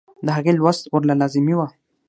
د هغې لوست ورله لازمي وۀ -